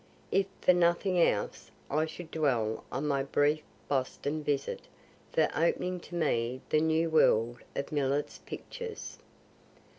If for nothing else, I should dwell on my brief Boston visit for opening to me the new world of Millet's pictures.